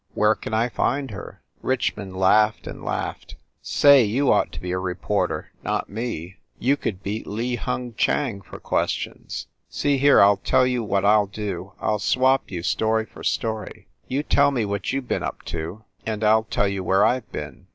Where can I find her?" Richmond laughed and laughed. "Say, you ought to be a reporter, not me ! You could beat Li Hung Chang for questions ! See here, I ll tell you what I ll do. I ll swap you story for story. You tell me what you ve been up to, and I ll tell you where I ve been!"